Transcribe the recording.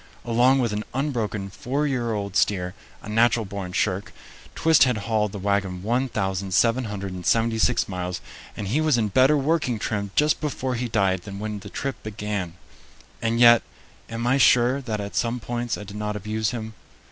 Along with an unbroken four year old steer, a natural born shirk, Twist had hauled the wagon 1776 miles, and he was in better working trim just before he died than when the trip began. And yet, am I sure that at some points I did not abuse him?